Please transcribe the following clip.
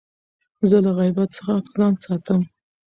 زه له غیبت څخه ځان ساتم.